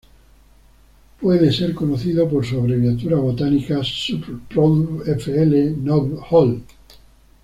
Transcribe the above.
Puede ser conocido por su abreviatura botánica Suppl.Prodr.Fl.Nov.Holl.